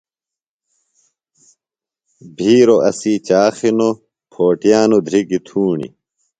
بِھیروۡ اسی چاخ ہِنوۡ، پھو ٹِیانوۡ دھرکیۡ تُھوݨیۡ